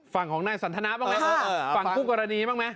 ฝั่งของนายสันทนาบ้างไหมฝั่งคู่กรณีบ้างไหม